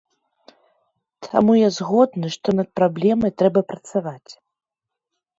Таму я згодны, што над праблемай трэба працаваць.